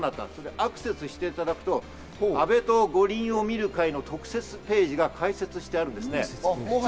アクセスしていただくと、「阿部と五輪を見る会」の特設ページが開設してあるんです。